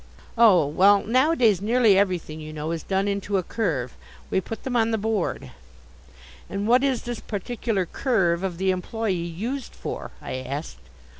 "Oh, well, nowadays nearly everything, you know, is done into a Curve. We put them on the board." "And what is this particular Curve of the employe used for?" I asked.